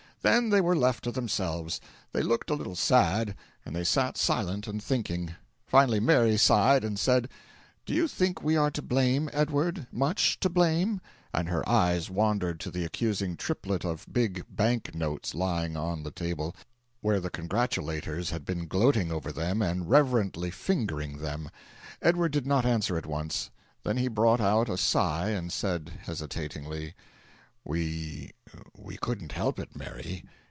Then they were left to themselves. They looked a little sad, and they sat silent and thinking. Finally Mary sighed and said: "Do you think we are to blame, Edward MUCH to blame?" and her eyes wandered to the accusing triplet of big bank notes lying on the table, where the congratulators had been gloating over them and reverently fingering them. Edward did not answer at once; then he brought out a sigh and said, hesitatingly: "We we couldn't help it, Mary.